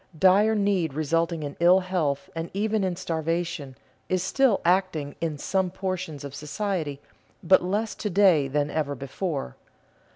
Dire need resulting in ill health and even in starvation, is still acting in some portions of society, but less to day than ever before.